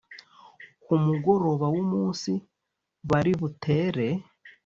Ku mugoroba w’umunsi bari butere